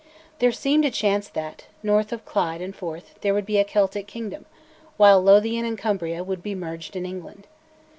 There seemed a chance that, north of Clyde and Forth, there would be a Celtic kingdom; while Lothian and Cumbria would be merged in England.